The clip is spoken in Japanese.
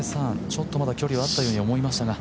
ちょっと距離はあったように思いましたが。